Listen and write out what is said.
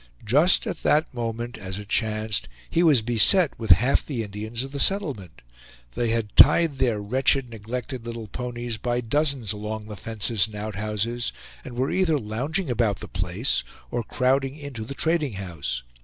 Just at that moment, as it chanced, he was beset with half the Indians of the settlement. They had tied their wretched, neglected little ponies by dozens along the fences and outhouses, and were either lounging about the place, or crowding into the trading house.